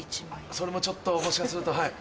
それもちょっともしかすると。